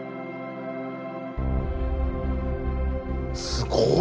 すごい！